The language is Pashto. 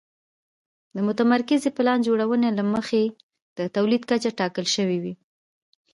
د متمرکزې پلان جوړونې له مخې د تولید کچه ټاکل شوې وه